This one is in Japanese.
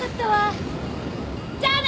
じゃあね！